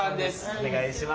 お願いします。